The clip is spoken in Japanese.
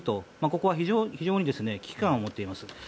ここは、非常に危機感を持っています。